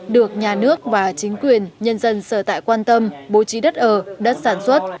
được nhà nước và chính quyền nhân dân sở tại quan tâm bố trí đất ở đất sản xuất